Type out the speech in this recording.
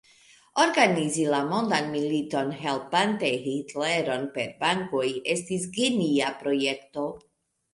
Organizi la mondan militon, helpante Hitleron per bankoj estis genia projekto.